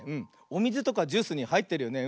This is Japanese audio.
おみずとかジュースにはいってるよね。